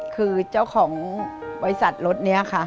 คือเจ้าของบริษัทรถนี้ค่ะ